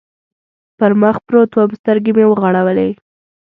پر مخ پروت ووم، سترګې مې و غړولې.